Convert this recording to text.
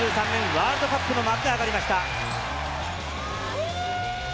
ワールドカップの幕が上がりました。